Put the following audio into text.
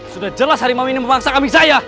sudah jelas harimau ini memaksa kambing saya